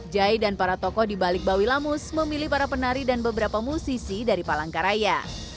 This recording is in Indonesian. jai dan para tokoh di balik bawi lamus memilih para penari dan beberapa musisi dari palangkaraya